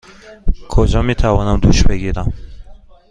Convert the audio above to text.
کجا می توانم دوش بگیرم؟